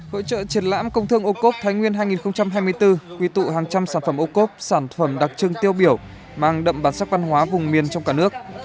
hội trợ triển lãm công thương ô cốp thái nguyên hai nghìn hai mươi bốn quy tụ hàng trăm sản phẩm ô cốp sản phẩm đặc trưng tiêu biểu mang đậm bản sắc văn hóa vùng miền trong cả nước